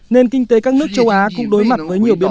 nền kinh tế các nước châu á cũng đối mặt với nhiều biến động